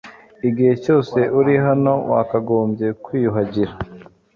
Igihe cyose uri hano, wakagombye kwiyuhagira.